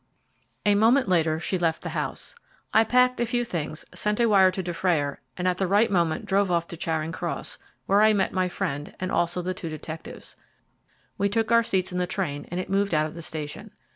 A moment later she left the house. I packed a few things, sent a wire to Dufrayer, and at the right moment drove off to Charing Cross, where I met my friend, and also the two detectives. We took our seats in the train and it moved out of the station.